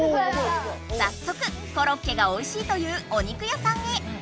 さっそくコロッケがおいしいというお肉屋さんへ！